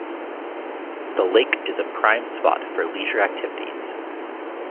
The lake is a prime spot for leisure activities.